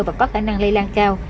và có khả năng lây lan cao